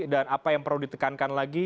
dan apa yang perlu ditekankan lagi